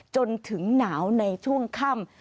จนถึงหนาวในช่วงค่ำ